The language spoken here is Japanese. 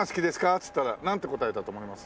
っつったらなんて答えたと思います？